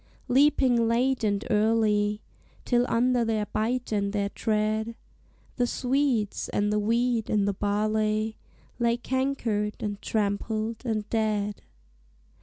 Leaping late and early, Till under their bite and their tread, The swedes, and the wheat, and the barley Lay cankered, and trampled, and dead.